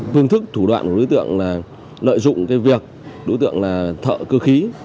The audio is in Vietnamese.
phương thức thủ đoạn của đối tượng là lợi dụng cái việc đối tượng là thợ cơ khí